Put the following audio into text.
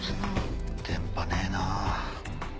電波ねえなぁ。